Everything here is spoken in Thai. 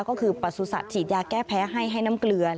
ก็คือประสุทธิ์ฉีดยาแก้แพ้ให้ให้น้ำเกลือ